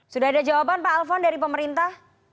sudah ada jawaban pak alfon dari pemerintah